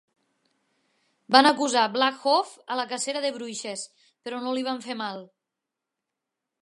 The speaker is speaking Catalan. Van acusar Black Hoof a la cacera de bruixes, però no li van fer mal.